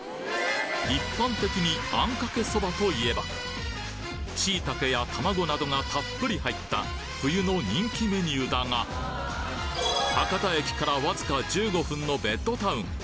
一般的にあんかけそばといえばシイタケや玉子などがたっぷり入った冬の人気メニューだが博多駅からわずか１５分のベッドタウン